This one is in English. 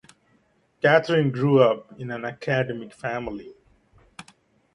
Katherine grew up in an academic family.